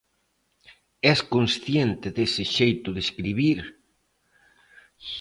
Es consciente dese xeito de escribir?